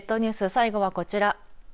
最後はこちら。